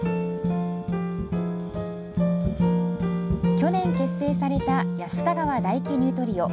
去年、結成された安ヵ川大樹ニュートリオ。